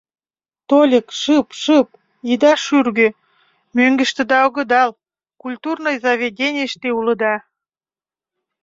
— Тольык шып-шып, ида шурго, мӧҥгыштыда огыдал — культурный заведенийыште улыда.